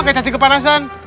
kayak cacik kepanasan